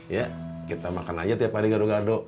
ya kita makan aja tiap hari gado gado